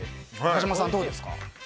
中島さん、どうですか？